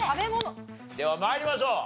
では参りましょう。